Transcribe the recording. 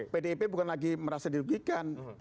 pdip bukan lagi merasa dirugikan